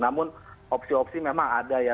namun opsi opsi memang ada ya